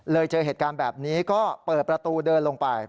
เจอเหตุการณ์แบบนี้ก็เปิดประตูเดินลงไป